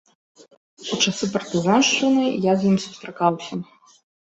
У часы партызаншчыны я з ім сустракаўся.